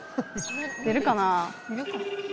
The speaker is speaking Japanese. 出るかな？